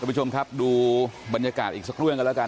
ผู้ชมครับดูบรรยากาศอีกสักเรื่องกันแล้วกัน